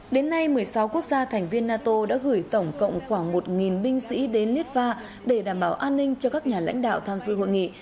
đến nay một mươi sáu quốc gia thành viên nato đã gửi tổng cộng khoảng một binh sĩ đến litva để đảm bảo an ninh cho các nhà lãnh đạo tham dự hội nghị